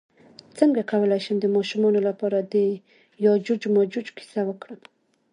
څنګه کولی شم د ماشومانو لپاره د یاجوج ماجوج کیسه وکړم